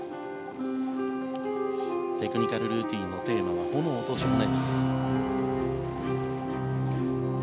テクニカルルーティンのテーマは炎と情熱。